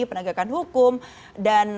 penegakan hukum dan